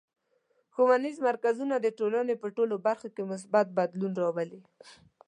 ښوونیز مرکزونه د ټولنې په ټولو برخو کې مثبت بدلون راولي.